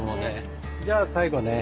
じゃあ最後ね。